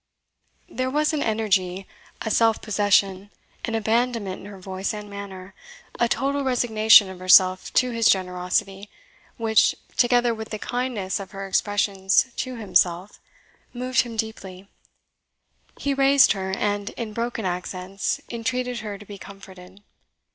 There was an energy, a self possession, an abandonment in her voice and manner, a total resignation of herself to his generosity, which, together with the kindness of her expressions to himself, moved him deeply. He raised her, and, in broken accents, entreated her to be comforted.